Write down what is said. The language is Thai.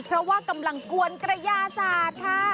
เพราะว่ากำลังกวนกระยาศาสตร์ค่ะ